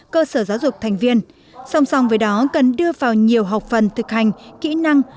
cơ sở giáo dục thành viên song song với đó cần đưa vào nhiều học phần thực hành kỹ năng